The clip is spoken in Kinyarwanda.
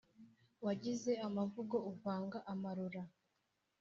Wagize amavugo uvanga amarora,